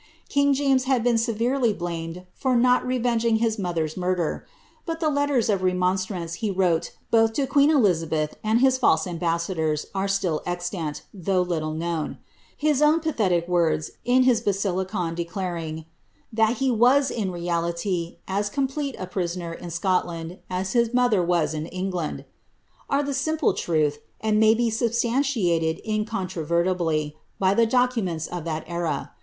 King James has been severely blamed for not revenging his mother's murder ; but the letters of remonstrance he wrote both to queen Elizabeth and his fidse ambassadors are still extant, though little known. Ilis own pa thetic words, in his Basilicon, declaring ^ that he was, in reality, as com plete a prisoner in Scotland as his mother was in England,'' are the sim ple truth, and may be substantiated incontrovertibly by the documents of that era.